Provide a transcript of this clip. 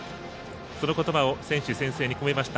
その言葉を選手宣誓に込めました。